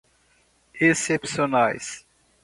excepcionais